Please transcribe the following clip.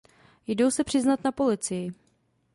Jdou se přiznat na policii.